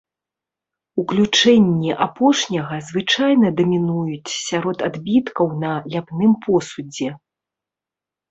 Уключэнні апошняга звычайна дамінуюць сярод адбіткаў на ляпным посудзе.